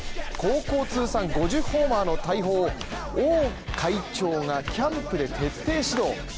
高校通算５０ホーマーの大砲を、王会長がキャンプで徹底指導。